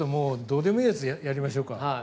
どうでもいいやつやりましょうか。